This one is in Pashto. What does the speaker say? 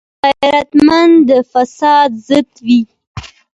غیرتمند د فساد ضد وي